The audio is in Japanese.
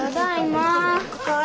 お帰り。